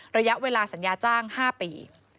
ระยะเวลาสัญญาจ้าง๕ปี